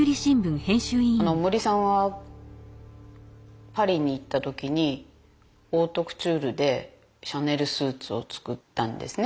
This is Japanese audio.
森さんはパリに行った時にオートクチュールでシャネルスーツを作ったんですね。